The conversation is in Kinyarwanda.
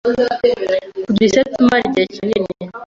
kugira isepfu imara igihe kinini